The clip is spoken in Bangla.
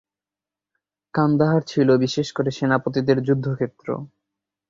কান্দাহার ছিল বিশেষ করে সেনাপতিদের যুদ্ধক্ষেত্র।